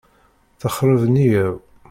Texreb nniyya-w.